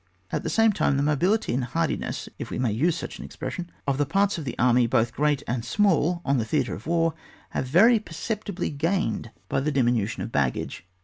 At the same time the mobility and handiness, if we may use such an expression, of the parts of an army, botli great and small, on the theatre of war have very perceptibly gained by the csAF. zn.] MARCHES. 87 diminution of baggage.